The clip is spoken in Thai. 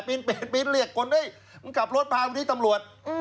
ปีนเรียกคนเฮ้ยมึงกลับรถพามาที่ตำรวจ